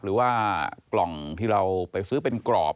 หรือว่ากล่องที่เราไปซื้อเป็นกรอบ